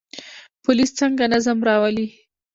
پولیس څنګه نظم راولي؟